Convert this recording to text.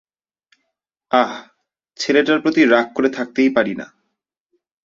আহ, ছেলেটার প্রতি রাগ করে থাকতেই পারি না।